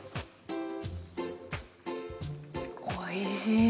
おいしい。